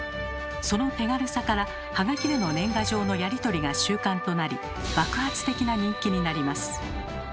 その手軽さからはがきでの年賀状のやり取りが習慣となり爆発的な人気になります。